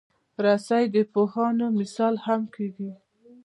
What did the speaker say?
رسۍ د پوهانو مثال هم کېږي.